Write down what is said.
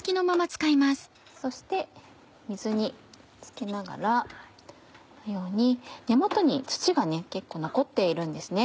そして水につけながらこのように根元に土が結構残っているんですね